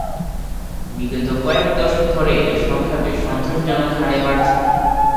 বিগত কয়েক দশক ধরে এদের সংখ্যা বেশ সন্তোষজনক হারে বাড়ছে।